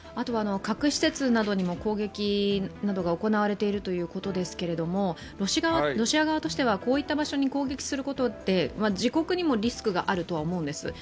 核施設などにも攻撃などが行われているということですけれどもロシア側としてはこういった場所に攻撃することって自国にもリスクがあるとは思うんです。